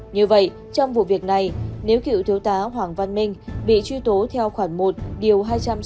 như vậy trong vụ việc này nếu cựu thiếu tá hoàng văn minh bị truy tố theo khoản một điều hai trăm sáu mươi